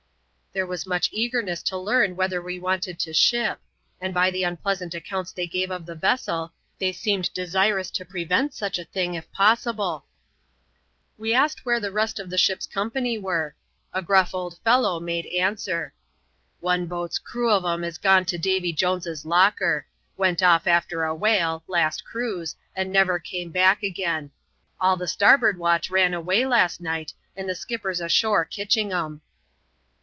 There was much eagerness to learn whether we Wanted to " ship ;" and by the unpleasant accounts they gave of the vessel, they seemed desirous to prevent such a thingi If possible. We asked where the rest of the ship's company were; a gruff old fellow made answer, OTifc\iQ«!C^ crow ^Vm. v& ^ne to Davy Jones's locker :— ^eii\. c« «S<«t ti. ^YiCl^X^x. ^snfefc^ CHAP, ixxvi.] VISIT TO THE SHIP. 295 and never came back agin. All the starboard watch ran away last night, and the skipper's ashore kitching 'em."